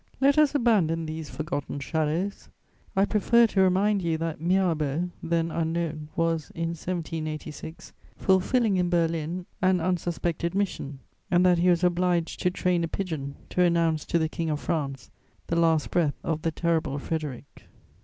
Let us abandon these forgotten shadows! I prefer to remind you that Mirabeau, then unknown, was, in 1786, fulfilling in Berlin an unsuspected mission, and that he was obliged to train a pigeon to announce to the King of France the last breath of the terrible Frederic.